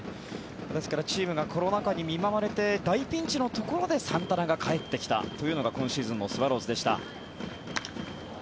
ですからチームがコロナ禍に見舞われて大ピンチでサンタナが帰ってきたという今シーズンのスワローズでした。